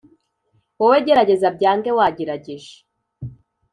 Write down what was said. Wowe gerageza byange wagerageje